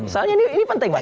soalnya ini penting mbak